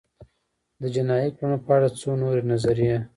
د جنایي کړنو په اړه څو نورې نظریې